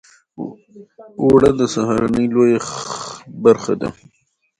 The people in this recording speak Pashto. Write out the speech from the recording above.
اوړه د سهارنۍ لویه برخه ده